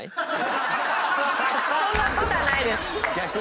そんなことはないです。